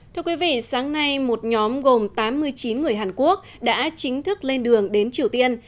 thưa quý vị sáng nay một nhóm gồm tám mươi chín người hàn quốc đã chính thức lên đường đến triều tiên